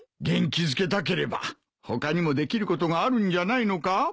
元気づけたければ他にもできることがあるんじゃないのか？